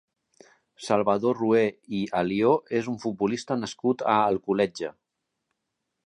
Salvador Rué i Alió és un futbolista nascut a Alcoletge.